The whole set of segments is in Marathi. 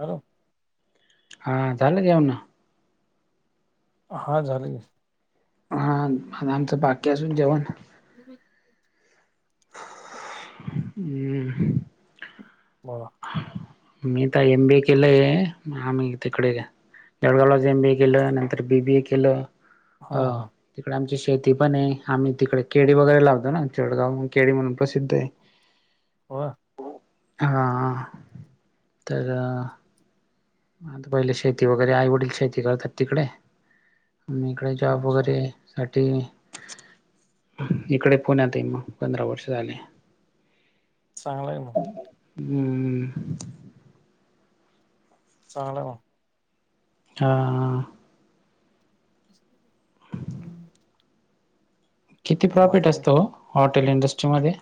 हॅलो हां झालं जेवन? हां झालं की. हं आणि आमचं बाकीय अजून जेवण. हम्म बोला. मी तर एम बी ए केलंय आम्ही तिकडे त्या वेळेलाच एम बी ए केलं नंतर बी बी ए केलं. हा हं हा तिकडे आमची शेती पण आहे. आम्ही तिकडे केळी वगैरे लावतो ना चेडगाव केळी म्हणून प्रसिद्ध आहे हो हां हां तर आता पहिले शेती वगैरे आई-वडील शेती करतात तिकडे मी काय जॉब अच्छा वगैरे साठी इकडे पुण्यात आहे मग पंधरा वर्ष झाले. चांगलं आहे हम्म. चांगल आहे. हा. हम्म. किती प्रॉफिट ते असत ओ, हॉटेल इंडस्ट्री मध्ये?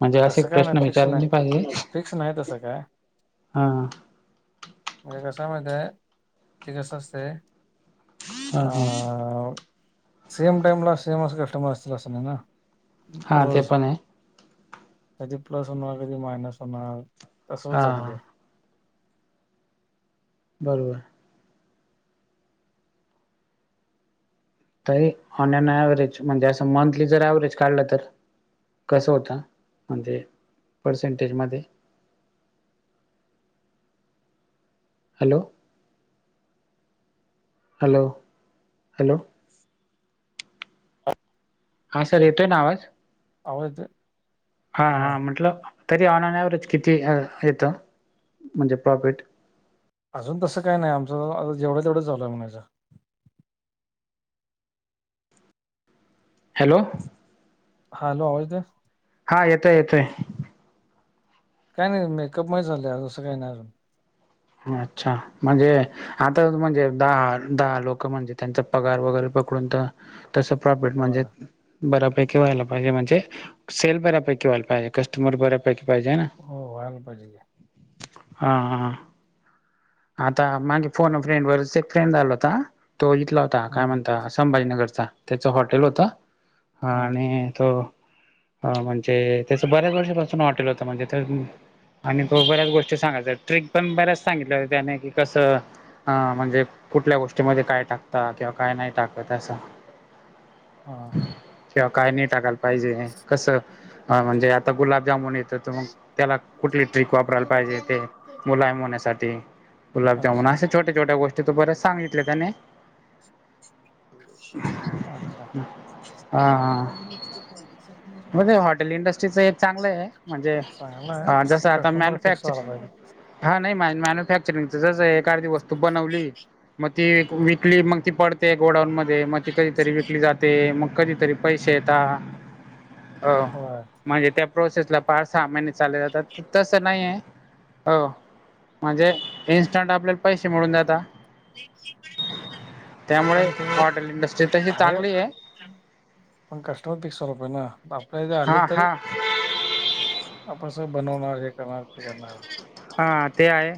म्हणजे असे तसं काय नाही प्रश्न फिक्स विचारले नाही नई पाहिजे, फिक्स नाही तसं काय हा. म्हणजे कसय माहितीय, ते कसं असतय हा हा अ- सेम टाइमला सेम अस कस्टमर असतील अस नई ना. हा ते प्रोज. पण आहे कधी प्लस होणार, कधी मायनस होणार. तसं होत हा जात हा ते. बरोबर. तरी ऑनन ऍव्हरेज, म्हणजे असं मंथली जर ऍव्हरेज काढलं तर? कसं होतं, म्हणजे पर्सेंटेजमध्ये? हॅलो. Hello, hello. हा सर येतोय ना आवाज? आवाज येतोय. हां हा हां म्हटलं तरी ऑन ऑन ॲव्हरेज किती येतं, म्हणजे प्रॉफिट? अजून तसं काय नाही आमचं, जेवढं तेवढं झाललंय म्हणायचं. हॅलो. हा हॅलो आवाज येतोय. हा येतोय येतोय. काही नाही मेकअप म झाले आजुन, असं काही नाही आजुन. अच्छा म्हनजे आता म्हणजे दहा दहा लोक म्हणजे त्यांचा पगार वगैरे पकडून तर तसं प्रॉफिट हो म्हणजे बऱ्यापैकी व्हायला पाहिजे म्हणजे, सेल बऱ्यापैकी व्हायला पाहिजे. कस्टमर बऱ्यापैकी पाहिजे ना. हो व्हायला पाहिजे की. हा हा. आता मागे फोन फ्रेंड वरच एक फ्रेंड आला होता, तो इथला हो काय हम्म म्हणत संभाजीनगरचा. त्याच हॉटेल होत, हम्म आणि त अ- म्हणजे त्याच बऱ्याच वर्षापासून हॉटेल होत, म्हणजे तर आणि तो बऱ्याच गोष्टी सांगायचा. ट्रिक पण बऱ्याच सांगितलं त्याने कि कसं हा म्हणजे कुठल्या गोष्टीमध्ये काय टाकता किंवा काय नाही टाकतं असं. हा. किंवा काय नाही टाकायला पाहिजे, कसं म्हणजे आता गुलाबजामुन येतं तर मग त्याला कुठली ट्रिक वापरायला पाहिजे ते मुलायम होण्यासाठी? गुलाबजामुन अच्छा अशा छोट्या छोट्या गोष्टी त बऱ्याच सांगितले त्यानि अच्छा हम्. हा हा, म्हणजे या हॉटेल इंडस्ट्रीच एक चांगलं आहे. म्हणजे चांगला आहे अं जस पण आता कस्टमर फिक्स मॅनुफॅक्चर व्हायला पाहिजे हा नाही मा मॅन्युफॅक्चरिंग जस एक अर्धी वस्तू बनवली मग ती विकली मग ती पडते गोडाऊन मध्ये मग ती कधीरी विकली जात ते मग कधीतरी पैसे येतात अ होय म्हणजे त्या प्रोसेसला पाच सहा महिने चालले जातात तसं नाही आहे हो म्हणजे इन्स्टंट आपल्याला पैसे मिळून जातात त्यामुळे पण ते हॉटेल इंडस्ट्री तशी चांगली आहे. पण कस्टमर टेस्ट वाला पाहिजेना, आपल्या इथे आले हा तर हा आप सब बनवणार हे करणार ते करणार हा ते आहे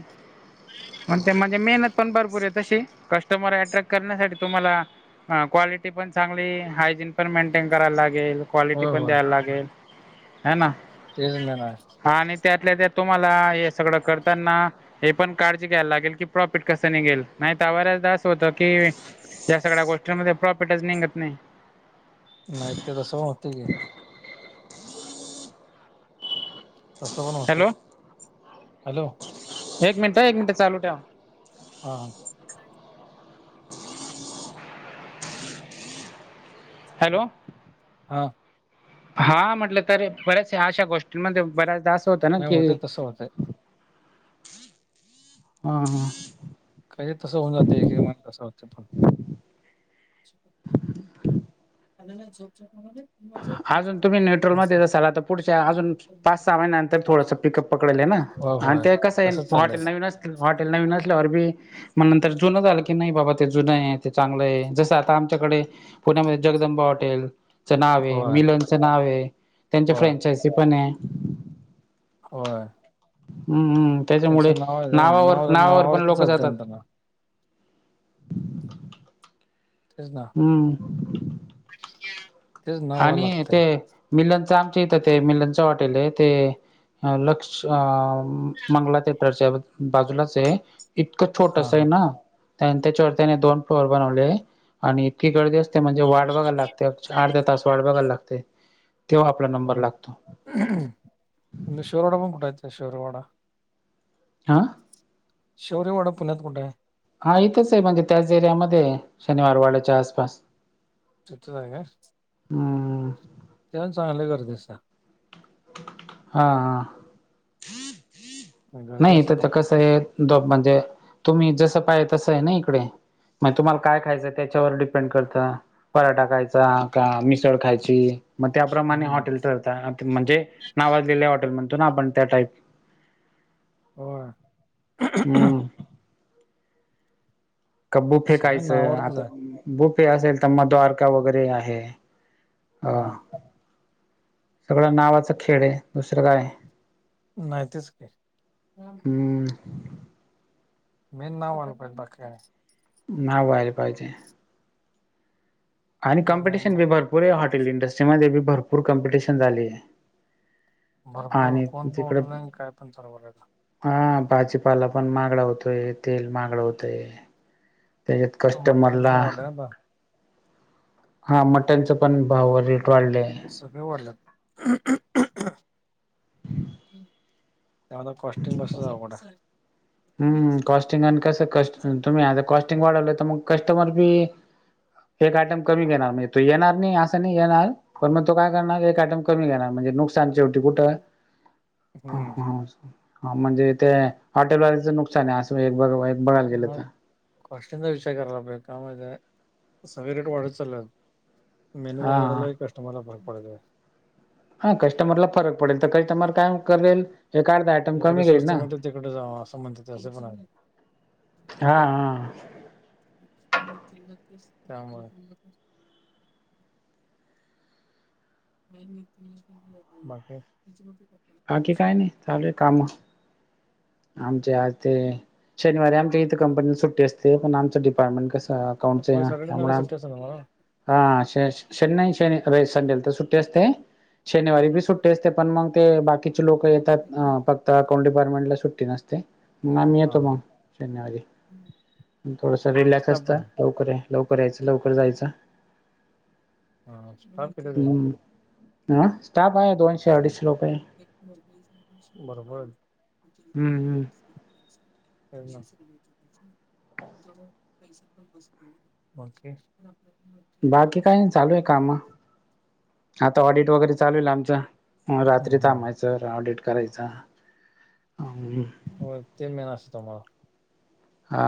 पण ते म्हने मेहनत पण भरपूर आहे तशी कस्टमर अट्रॅक्ट करण्यासाठी तुम्हाला हा क्वालिटी पण चांगली, हायजीन पण मेंटेन करायला लागेल, क्वालिटी होय पण होय द्यायला लागेल. हे ना? तेच मेन आहे हा आणि त्यातल्या त्यात तुम्हाला हे सगळं करताना हे पण काळजी घ्यायला लागेल की, प्रॉफिट कसं निघेल नाही तर बऱ्याचदा असं होतं की या सगळ्या गोष्टींमध्ये प्रॉफिटच निघत नाही. नाही ते तस होते की तसं पण होते, हॅलो हॅलो? एक मिनिट एक मिनिटं हं चालू ठेव हा हां. हॅलो? हा. हा म्हटलं तर बऱ्याच अशा गोष्टींमध्ये बऱ्याचदा असं होतं ना नाही की होतंय तसं होतंय हा हा काही तसं होऊन जाते, एक एक मण तस होते पण अनण्या झोप झोमध्ये [unintelligible] अजून तुम्ही न्यट्रलमध्ये जासाल आता पुढच्या अजून पाच सहा महिन्यानंतर थोडंसं पिकअप पकडेल हे ना? होय आणि होय ते कसं आहे तसंच हॉटेल चाललंय नवीन असल, हॉटेल नवीन असल्या वर बी मग नंतर जुनं झालं की नाही बाबा ते जुनं आहे ते चांगलं आहे जसं आता आमच्याकडे पुण्यामध्ये जगदंबा हॉटेल च नाव आहे, होय मिलनच नाव आहे त्यांच्या होय फ्रँचायजी पण आहे. होय. हम्म हम्म त्याच्यामुळे त्यांचं नाव आहे ना नावावर नाव नावावर पण नावावरती लोकं चालतंय जातात. ना त्यांना तेच ना हम. अ आणि ते मिलनच आमच्या इथं ते मिलनच हॉटेल आहे ते लक्ष अ मंगला थेटरच्या बाजूलाचे इतकं हा छोटस हा आहे ना, त्यानं त्याच्यावर त्याने दोन फ्लोअर बनवले. आणि इतकी गर्दी असते, म्हणजे वाट बघायला लागते अ अर्धा तास वाट बघायला लागते तेव्हा आपला नंबर होय लागतो. शौरवाडा कुठं आहेत शौर्यवाडा पण कठयं शिरवाडा? अं? शौर्यवाडा पुण्यात कुठं आहे? हा इथेच आहे म्हणजे त्याच एरियामध्ये शनिवार वाड्याच्या आसपास. त का हां तेण चांगलं करजस हा हा गर्दी नाही असते तर तर भरपूर कसं आहे द म्हणजे तुम्ही जसं पाय तसं आहे ना इकडे मग तुम्हाला काय खायचं त्याच्यावर डिपेंड करतं पराठा खायचा का मिसळ खायची मग त्याप्रमाणे हम्म हॉटेल ठरत म्हणजे नावातलेल्या हॉटेल म्हणतो ना आपण त्या टाईप हो हम्म का बुफे सगळ्या कायचं नावावरतीच आता आहे बुफे असेल तर मग द्वारका वगैरे आहे हा सगळं नावाचा खेळ आहे दुसरं काय आहे नाही तेच काय हम्म मेन नाव वाू पहि बाकीने ना वहेर पाजे आणि तेच मेन कॉम्पिटिशन भी भरपूर आहे हॉटे इंडस्ट्रीमध्ये बी भरपूर कॉम्पिटिशन झाली आहे भरपूर आणि कोण पण होटल आहे काय पण सरव आहे का हा भाजीपाला पण मागळा होतोय तेल मागळा होतोय त्याच्यात आता मटेरियल तेन कस्टमरला वाढलंय आता हा मटनच पण भाव रेट वाढलेय सगळे वाढलंत त्याला कस्टिंग बसत जा कठ हम् कॉस्टिंग आणि कस क तुम्ही आता कॉस्टिंग वाढवलं तर मग कस्टमर बी एक आयटम कमी घेणार नाही तू येणार नाही असं नाही येणार पण मग त काय करणार एक अटम कमी घेणार म्हणजे नु कु हम्म म्हणज नुकसान आहे अस ब म कॉस्टीनचा विचार करायला आप कामध्ये सगळे रेट वाढत चालत मेन्यू कोड हा वाडालाही कस्टमर लाला भर पडत आहे हा कस्टमरला फरक पडेल तर कस्टमर काय करेल एका दा इकडे स्वस्त म्हणते तिककडे जावं असं म्हणतात असं पण आहे हा हा [unintelligible] बा बाकी काय नाही चाल काम आमचे आज ते शनिवारी आमच्या इथे कंपनीला सुट्टी असते पण आमच डिपार्टमेंट कस अकाउंटच आहे होय ना सॅटर्डे संडे त्यामुळे सुट्टी असते तुम्हाला? हा श शनई शन संडेला तर सुट्टी असते शनिवारी बी सुट्टे असते पण मग ते बाकीचे लोक येतात अक् आता अकां डिपार्टमेंट ला सुट्टी नसते मग आम्ही हा येतो हा मग शनिवारी थोडासा किती रिलॅक्स स्टाफ असत आहे? लवकर आहे लवकर यायचं लवकर जायचं हा स्टाफ किती आहे हा स्टाप आहे दोनशे अडीचशे रुपये श हम्म हम्म मरवाद ह [inaudible] बाकी काय चालू आहे काम आता ऑडिट वगैरे चालू आहेल आमचं हम्म रात्री हम्म थांबायचं ऑडिट करायच हो तीन महिना असत तुम्हाला हा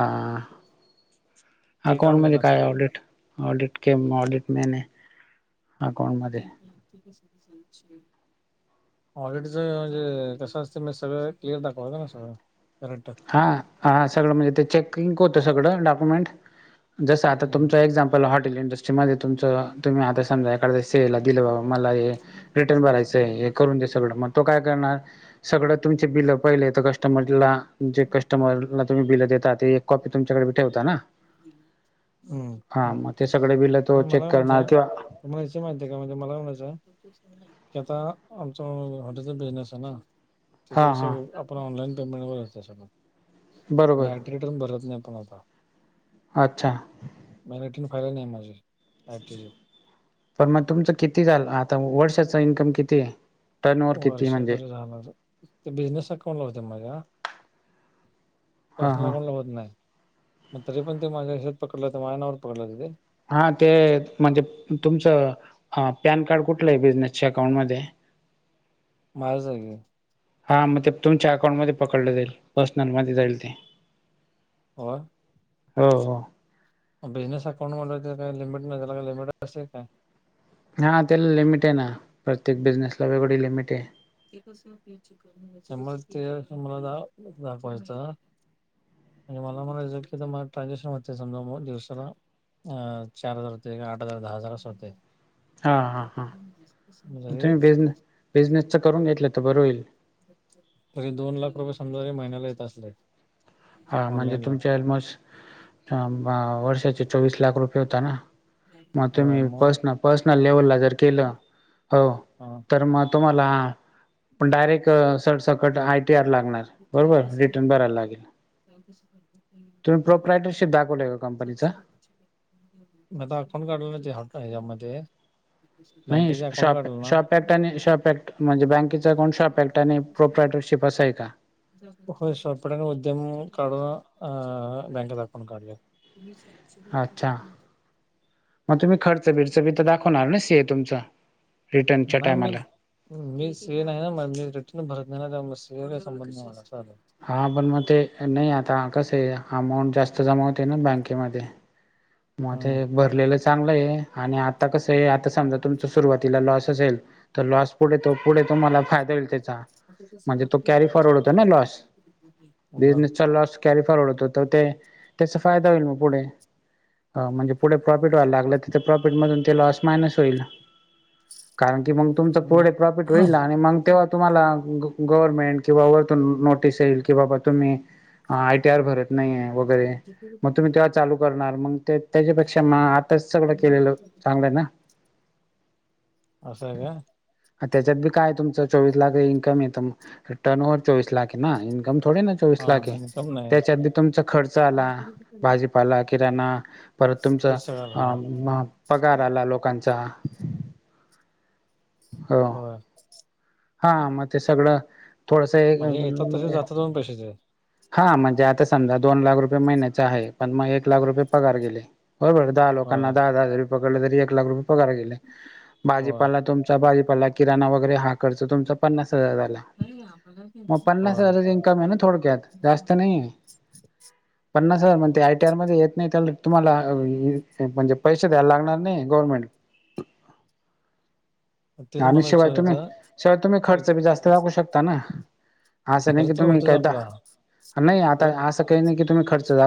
ते काम अकाउंट मेन मध्ये काय असतंय. ऑडिट ऑडिट के ऑडिट मने बा आप इग सुधी स ऑलरेडीचं म्हणजे कसं असतें मी सगळं क्लिअर दाखवत ना सगळं. करेक्ट हा हा सगळं म्हणजे ते चेकिंग होतं सगळं डॉक्युमेंट जसं आता हम्म तुमचं एक्झामप. हॉटेल इंडस्ट्री मध्ये तुम तुम्ही आता समा स दिलं बाबा मला हे रिटर्न भरायचंय हे करून दे सगळं मग तो काय करणार सगळं तुमचे बिल पहिलेेत कस्टमरला जे कस्टमरला तुम्ही बिल देता ते एक कॉपी तुमच्याकडे ठेवता ना हम्म हा मग ते सगळे बिल तो चेक करणार किंवा म्हणाच माहितीय का म्हणजे मला म्हणायचं.. कि आता आमच हॉटेलचा बिझनेस आहे ना हा तिचं कस हा आपण ऑनलाईन पेमेंट वगत बरोबर मी ऍट रिटर्न भरत नाही पण आता. अच्छा मॅटीन फायर नाही माझी आय टी पण मग तुमचं किती झालं आता वर्षाच इन्कम किती आहे टर्नओव्हर किती म्हणजे वर्षतरी जाणारत ते बिझनेस अकाउंट लावते माझा हां पर्सनल हां अकाउंट लावत नाही मग तरी पण ते माझ्या शेत पकडलं तर माझनावर पकडलं ति ते हा ते म्हणजे तुमचं पॅन कार्ड कुठलं आहे बिझनेसच्या अकाउंटमध्ये. [inaudible] माझ्या जागे हा मग ते तुमच्या अकाउंटमध्ये पकडलं जाईल पर्सनल मध्ये जाईल ते हो हो हो बिझनेस अकाउंट म काही लिमिट नाही झाला का लिमिट असेल काय हा त्याला लिमिट आहे ना प्रत्येक बिझनेस ला वेगळी लिमिट आहे ते शर ते शभर दाखवायचं. म्हणजे मला म्हणायचं की तर मला ट्रान्झॅक्शन होते समजा मग दिवसाला अ चार हजार होते आठ हजार दहा हजार अस होते हां हां हां म तुम्ही बिझने बिझनेसचं करून घेतलं तर बरं होईल तरी दोन लाख रुपये समजाे महिन्याला येत असले हा म्हणजे ऑनलाईनला तुमचे ऑलमोस्ट वर्षाचे चोवीस लाख रुपये होता ना मग होय तुम्ही मग पसन पर्सनल लेवलला जर केलं हो हा तर मग तुम्हाला डायरेक्ट सरसकट आयटीआर लागणार बरोबर रिटर्न भरायला लागेल च कुश आहे तुम्ही प्रोपरायटरशिप दाखवलं का कंपनीचा मता कोण काढ हॉ हच्यामध्ये नाही शॉप शॉपॅक्ट आणि शॉपॅक्ट. म्हणजे बँकेच अकाउं शॉपेक्ट आणि प्रोपेटरशिप असं आहे का हो सपट्याने उद्यम काढून अ बँकेत अकाउून काढूया त सर अच्छा मग तुम्ही खर्च बिरच बी तर दाखवणार ना सी तुमचं नाही मीच मी सेन आहे ना मी रिटर्न भरत नाही नाला से संबंध चाले हां पण मग ते नाही आता कसं आहे अमाऊंट जास्त जमा होते ना बँकेमध्ये मग ते हम्म भरलेलं चांगलं आहे आणि आता कसं आहे आता समजा तुमच सुरुवातीला लॉसचं होईल तर लॉस पुढे तो पुढे तुम्हाला फायदा भेटेल आता कस लॉस बिझनेसचा लॉस कॅरी फॉरवर्ड होत तर ते त्याचा फायदा होईल मग पुढे म्हणजे पुढे प्रॉफिट व्हायला लागलं तर प्रॉफिट मधून ते लॉस मायनस होईल कारण की मग तुमचं नाही पुढे प्रॉफिट होईल आणि मग तेव्हाचं तुम्हाला गव्हर्नमेंट किंवा वरतून नोटीस येईल की बाबा तुम्ही आयटी आर भरत नाही आहेे वगैरे मग तुम्ही तेव्हा चालू करणार मग ते त्याच्यापेक्षा म आ तर सगळं केलेलं चांगलं ना असं आहे काय त्याच्यात बी काय तुमचं चोवीस लाख इन्कम येतं मग टर्न ओवर चोवीस लाखे ना इनकम थोडे ना चोवीस हा लाख हे इन्कम नाही त्याच्यात बि तुम चा खर्च आला भाजी पाला किराणा परत तुमच ते सगळं हो, अ पगार आला लोकांचा हो हा हा मग ते सगळं थोडसं एक कशाचं हा म्हणजे आता समजा दोन लाख रुपये महिन्याच आहे पण मग एक लाख रुपये पगार गेले बरोबर दहा होय लोकांना दहा हजार रुपये पकडले तरी एक लाख रुपये पगार गेले होय. भाजीपाला तुम चा भाजीपाला किराणा वगैरे ह खर्च तुमचा पन्नास हजार झाला म पन्नास हजारचं इन्कम आहे ना थोडक्यात जास्त नाही आहे पन्नास हजार म्हण ते आयटीआर मध्ये येत नाही त्या तुम्हाला म्हणजे पैसे द्यायला लागणार नाही गव्हर्नमेंट तेच आणि मला शिवाय तुम्ही विचारायचं शिवाय तुम्ही खर्च बी जास्त दाखवू शकता ना असं नाही की खर्च तर तुम्ही होतोच एकदा आपला नाही आता खर्च असं काही नाही की तुम्ही खर्च जा